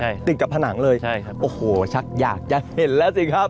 ใช่ใช่ครับติดกับผนังเลยโอ้โฮชักอยากจะเห็นแล้วสิครับ